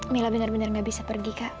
mila benar benar nggak bisa pergi kak